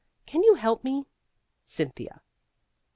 Can you help me?_ CYNTHIA.